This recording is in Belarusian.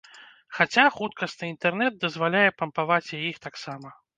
Хаця, хуткасны інтэрнэт дазваляе пампаваць і іх таксама.